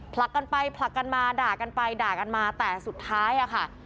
ผลักกันไปผลักกันมาด่ากันไปด่ากันมาแต่สุดท้ายอะค่ะ